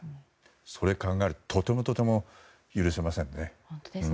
それを考えるととてもとても許せませんね。